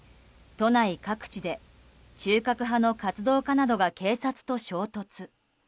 都内各地で中核派の活動家などが警察と衝突。